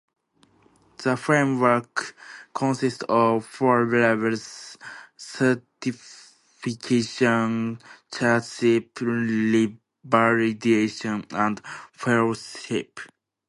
The framework consists of four levels - certification, chartership, revalidation and fellowship.